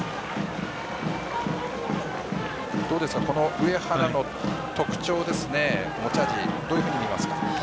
上原の特徴、持ち味どういうふうに見ますか？